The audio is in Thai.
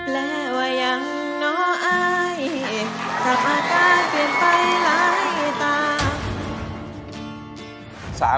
และว่ายังน้ออายถ้าอาการเปลี่ยนไปหลายตา